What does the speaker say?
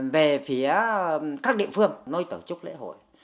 về phía các địa phương nơi tổ chức lễ hội